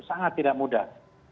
sangat tidak mudah